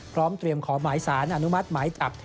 พร้อมเตรียมขอหมายสารอนุมัติหมายจับ